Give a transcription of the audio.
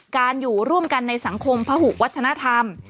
อยู่ร่วมกันในสังคมพหุวัฒนธรรม